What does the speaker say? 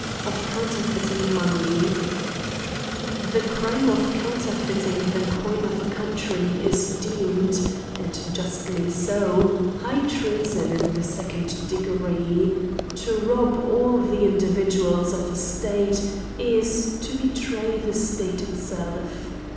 pf Counterfeiting inon^y* THE crime of counterfeiting the coinof acoun^ try, is deemed, and justly too, high treason in the second degree ; to rob all the individuals of a state, is to betray the state itself.